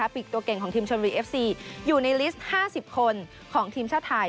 ปีกตัวเก่งของทีมชนบุรีเอฟซีอยู่ในลิสต์๕๐คนของทีมชาติไทย